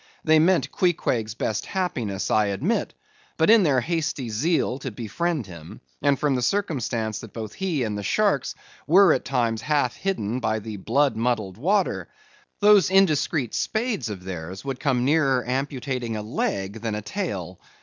They meant Queequeg's best happiness, I admit; but in their hasty zeal to befriend him, and from the circumstance that both he and the sharks were at times half hidden by the blood muddled water, those indiscreet spades of theirs would come nearer amputating a leg than a tail.